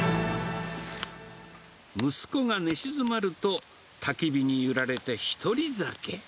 息子が寝静まると、たき火に揺られて１人酒。